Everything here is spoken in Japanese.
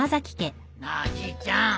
なあじいちゃん。